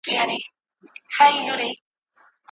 له باده سره الوزي پیمان په باور نه دی